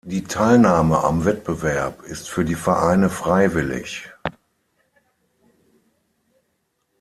Die Teilnahme am Wettbewerb ist für die Vereine freiwillig.